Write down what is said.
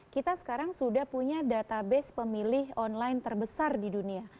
kita sekarang sudah punya database pemilih online terbesar di dunia